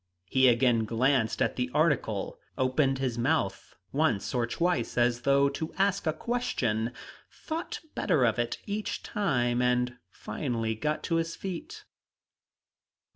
He again glanced at the article, opened his mouth once or twice as though to ask a question, thought better of it each time, and finally got to his feet.